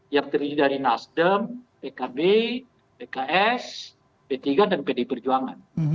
yang terdiri dari nasdem pkb bks b tiga dan pd perjuangan